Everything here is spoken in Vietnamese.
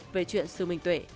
về chuyện sư minh tuệ